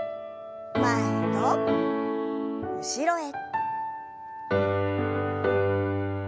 前と後ろへ。